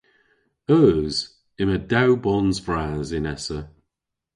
Eus. Yma dew bons vras yn Essa.